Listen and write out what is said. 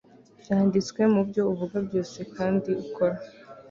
byanditswe mubyo uvuga byose kandi ukora